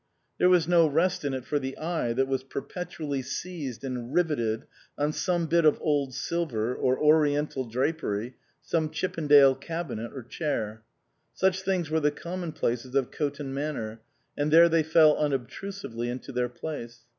There was no rest in it for the eye that was perpetually seized and riveted on some bit of old silver, or Oriental drapery, some Chippendale cabinet or chair. Such things were the commonplaces of Coton Manor, and there they fell unobtrusively into their place.